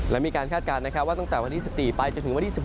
และมีการคาดการณ์นะครับว่าตั้งแต่วันที่๑๔ไปจนถึงวันที่๑